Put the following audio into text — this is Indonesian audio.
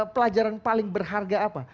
pelajaran paling berharga apa